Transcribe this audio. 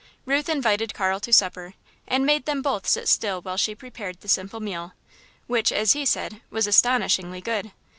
Ruth invited Carl to supper, and made them both sit still while she prepared the simple meal, which, as he said, was "astonishingly good."